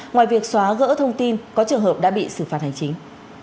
ngoài việc xóa gỡ thông tin có trường hợp đã bị xử phạt hành chính